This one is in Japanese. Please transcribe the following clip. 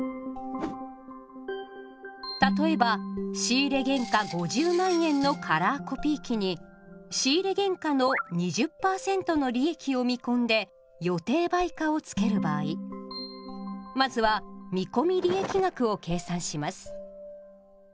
例えば仕入原価５０万円のカラーコピー機に仕入原価の２０％の利益を見込んで予定売価を付ける場合まずは見込利益額を計算します。